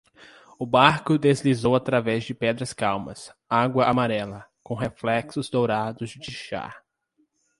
O barco deslizou através de pedras calmas, água amarelada, com reflexos dourados de chá.